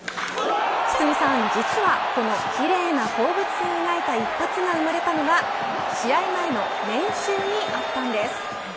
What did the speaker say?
堤さん、実はこの奇麗な放物線を描いた一発が生まれたのは試合前の練習にあったんです。